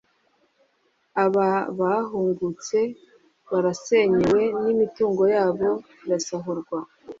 Aba bahungutse barasenyewe n’imitungo yabo irasahurwa